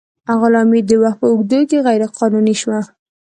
غلامي د وخت په اوږدو کې غیر قانوني شوه.